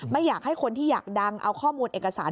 ไม่อยากให้คนที่อยากดังเอาข้อมูลเอกสาร